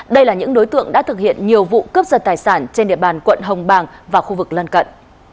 đây là những đối tượng đã thực hiện nhiều vụ cướp giật tài sản trên địa bàn quận hồng bàng và khu vực lân cận